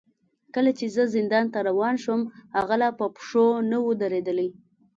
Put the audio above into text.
کله چې زه زندان ته روان شوم، هغه لا په پښو نه و درېدلی.